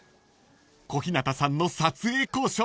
［小日向さんの撮影交渉